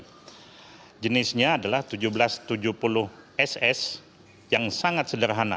jadi jenisnya adalah seribu tujuh ratus tujuh puluh ss yang sangat sederhana